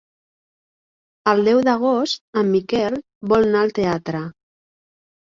El deu d'agost en Miquel vol anar al teatre.